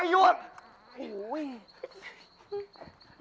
ลูกคุณอยู่นี่ไง